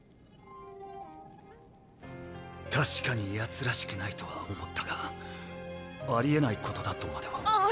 確かに奴らしくないとは思ったがありえないことだとまでは。